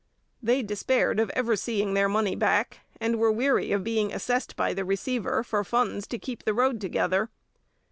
They despaired of ever seeing their money back, and were weary of being assessed by the receiver for funds to keep the road together.